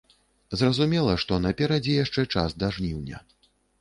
Зразумела, што наперадзе яшчэ час да жніўня.